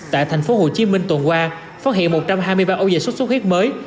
tại thành phố hồ chí minh tuần qua phát hiện một trăm hai mươi ba ổ dịch sốt xuất huyết mới